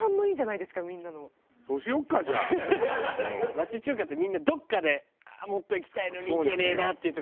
町中華ってみんなどこかでもっといきたいのにいけねえなっていうところがあるからね。